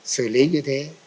xử lý như thế